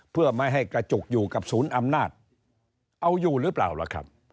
เพื่อไม่ให้กระจุกอยู่กับศูนย์อำนาจเอาอยู่หรือเปล่าล่ะครับ